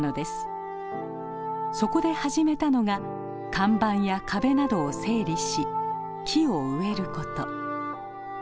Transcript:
そこで始めたのが看板や壁などを整理し木を植えること。